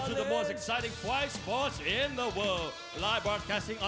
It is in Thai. พร้อมหรือยัง